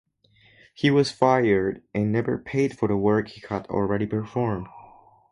He was fired and never paid for the work he had already performed.